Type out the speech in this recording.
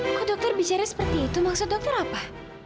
kalau dokter bicara seperti itu maksud dokter apa